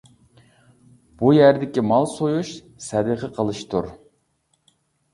بۇ يەردىكى مال سويۇش، سەدىقە قىلىشتۇر.